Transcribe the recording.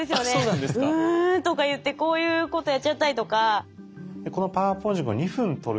「うん」とか言ってこういうことやっちゃったりとか。